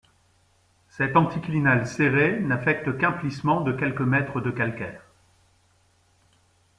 Cet anticlinal serré n’affecte qu'un plissement de quelques mètres de calcaire.